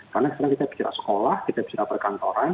karena sekarang kita bicara sekolah kita bicara perkantoran